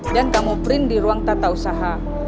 dan kamu print di ruang tata usaha